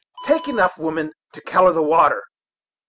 Take enough, woman, to color the water.